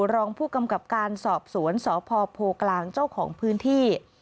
รองผู้กำกับการสอบสวนสพโพกลางเจ้าของพื้นที่